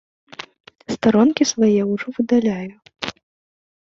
Старонкі свае ўжо выдаляю.